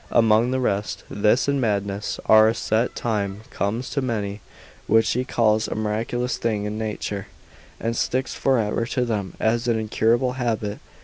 Amongst the rest, this and madness after a set time comes to many, which he calls a miraculous thing in nature, and sticks for ever to them as an incurable habit.